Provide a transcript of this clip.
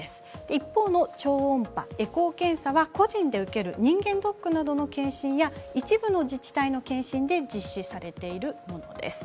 一方の超音波、エコー検査は個人で受ける人間ドックなどの検診や一部の自治体の検診で実施されているものです。